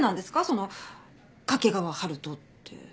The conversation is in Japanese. その掛川春人って。